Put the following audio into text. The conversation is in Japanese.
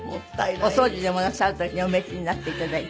お掃除でもなさる時にお召しになって頂いて。